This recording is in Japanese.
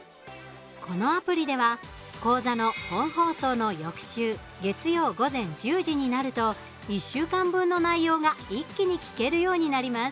このアプリでは講座の本放送の翌週、月曜午前１０時になると１週間分の内容が一気に聞けるようになります。